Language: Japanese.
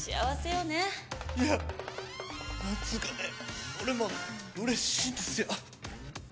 いや何つうかね俺もうれしいんですよ。